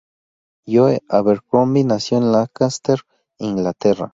Joe Abercrombie nació en Lancaster, Inglaterra.